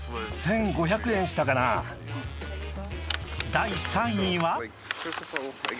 第３位は